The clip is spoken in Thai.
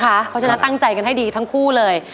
เพราะฉะนั้นตั้งใจกันให้ดีทั้งคู่เลย